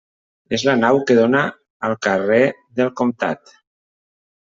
És la nau que dóna al carrer del Comtat.